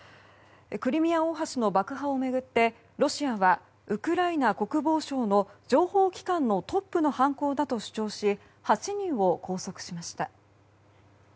クリミア大橋の爆破を巡ってロシアはウクライナ国防省の情報機関のトップの犯行だと主張し８人を拘束しました。